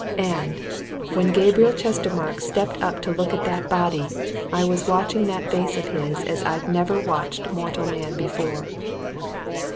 And, when Gabriel Chestermarke stepped up to look at that body, I was watching that face of his as I've never watched mortal man before!"